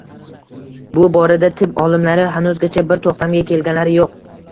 Bu borada tib olimlari hanuzgacha bir to‘xtamga kelganlari yo‘q.